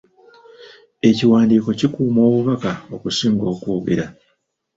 Ekiwandiiko kikuuma obubaka okusinga okwogera.